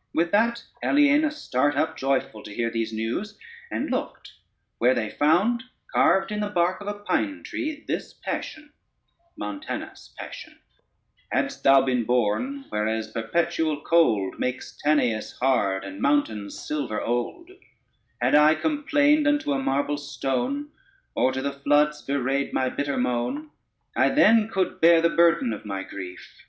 ] With that Aliena start up joyful to hear these news, and looked, where they found carved in the bark of a pine tree this passion: Montanus's Passion Hadst thou been born whereas perpetual cold Makes Tanais hard, and mountains silver old; Had I complained unto a marble stone, Or to the floods bewrayed my bitter moan, I then could bear the burthen of my grief.